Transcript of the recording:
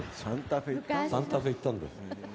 サンタフェ行ったんだろ？